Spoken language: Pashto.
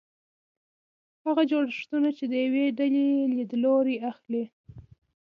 هغه جوړښت چې د یوې ډلې لیدلوری اخلي.